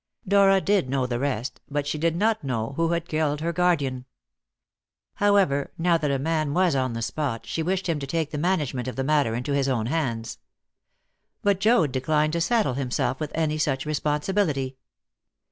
Dora did know the rest, but she did not know who had killed her guardian. However, now that a man was on the spot, she wished him to take the management of the matter into his own hands. But Joad declined to saddle himself with any such responsibility.